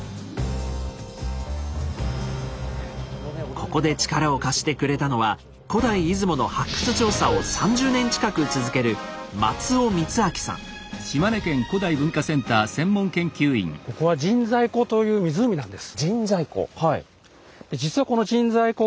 ここで力を貸してくれたのは古代出雲の発掘調査を３０年近く続ける神西湖？